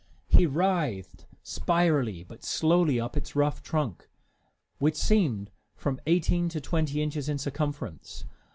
He writhed spirally but slowly up its rough trunk, which seemed from eighteen to twenty inches in circumference.